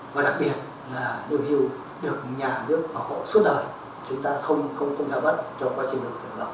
và đặc biệt là lương hưu được nhà nước bảo hộ suốt đời chúng ta không giả bất trong quá trình lương hưu